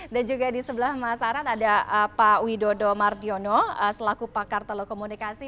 dan juga di sebelah mas aradea ada pak widodo martiono selaku pakar telekomunikasi